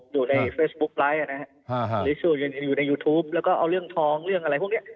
อยู่ในเฟซบุ๊กไลฟ์นะฮะหรืออยู่ในยูทูปแล้วก็เอาเรื่องทองเรื่องอะไรพวกเนี้ย